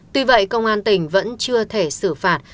tuy vậy công an tỉnh vẫn chưa thể xử phạt